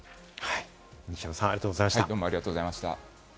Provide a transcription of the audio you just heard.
西山さん、ありがとうございました。